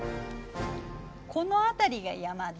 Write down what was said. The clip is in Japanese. この辺りが山で